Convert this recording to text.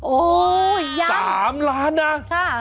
โอ้ยยัง๓ล้านนะค่ะ